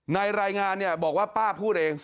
รายงานบอกว่าป้าพูดเอง